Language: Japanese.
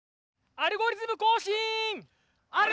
「アルゴリズムこうしん」！